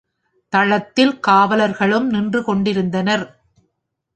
தளத்தில் காவலர்களும் நின்று கொண்டிருந்தனர்.